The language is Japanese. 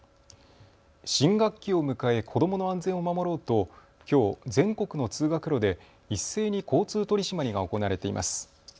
新学期を迎え子どもの安全を守ろうときょう全国の通学路で一斉に交通取締りが行われています。